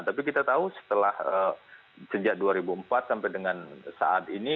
tapi kita tahu setelah sejak dua ribu empat sampai dengan saat ini